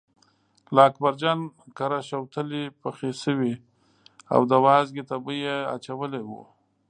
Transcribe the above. له اکبرجان کره شوتلې پخې شوې او د وازدې تبی یې اچولی و.